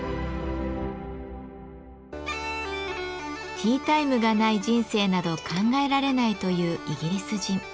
ティータイムがない人生など考えられないというイギリス人。